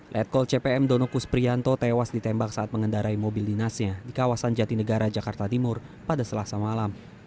letkol cpm dono kus prianto tewas ditembak saat mengendarai mobil dinasnya di kawasan jatinegara jakarta timur pada selasa malam